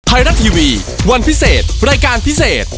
ไทยรัฐทีวีวันพิเศษรายการพิเศษ